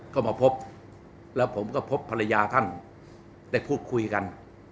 ก็มาพบแล้วผมก็พบภรรยาท่านได้พูดคุยกัน